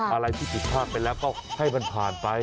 อะไรที่ผิดพลาดไปแล้วก็ให้มันผ่านไป